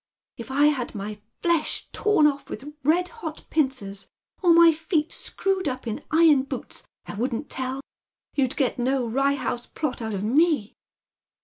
" If I had my flesh torn ofE with red hot pincers, or my feet screwed up in iron boots, I wouldn't tell. You'd get no Rye House Plot out ot me."